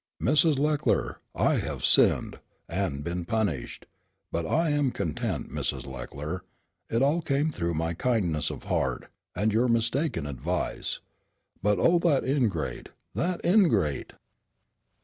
Mrs. Leckler, I have sinned and been punished. But I am content, Mrs. Leckler; it all came through my kindness of heart, and your mistaken advice. But, oh, that ingrate, that ingrate!"